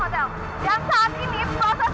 minta bantuan kan